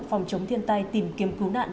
phòng chống thiên tai tìm kiếm cứu nạn